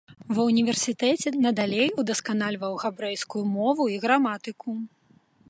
Ва ўніверсітэце надалей удасканальваў габрэйскую мову і граматыку.